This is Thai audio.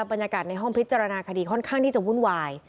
บรรยากาศในห้องพิจารณาคดีค่อนข้างที่จะวุ่นวาย